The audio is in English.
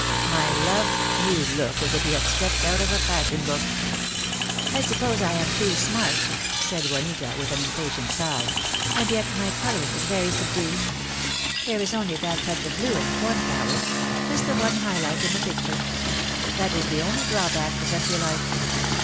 "My love, you look as if you had stepped out of a fashion book." "I suppose I am too smart," said Juanita with an im patient sigh; "and yet my colouring is very subdued. There is only that touch of blue in the cornflowers — just the one high light in the picture. That is the only draw back to country life.